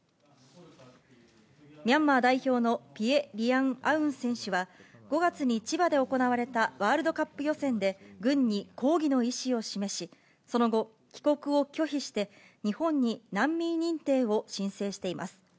ミャンマー代表のピエ・リアン・アウン選手は、５月に千葉で行われたワールドカップ予選で軍に抗議の意思を示し、その後、帰国を拒否して日本に難民認定を申請しています。